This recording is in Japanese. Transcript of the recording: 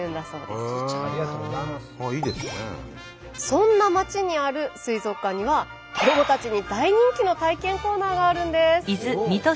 そんな町にある水族館には子どもたちに大人気の体験コーナーがあるんです。